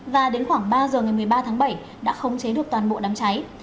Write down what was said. và đến khoảng ba giờ ngày một mươi ba tháng bảy đã khống chế được toàn bộ đám cháy